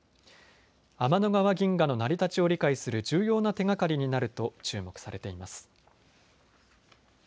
天の川銀河の成り立ちを理解する重要な手がかりになると注目されています。